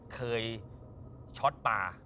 เคยช็อตปลา